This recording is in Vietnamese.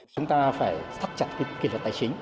chúng ta phải sắp chặt kỷ luật tài chính